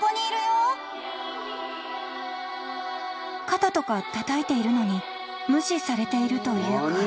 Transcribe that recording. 肩とかたたいているのに無視されているというか。